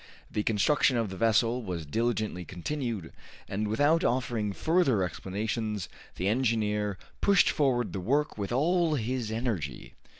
The construction of the vessel was diligently continued, and without offering further explanations the engineer pushed forward the work with all his energy.